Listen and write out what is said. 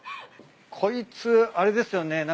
こいつあれですよね？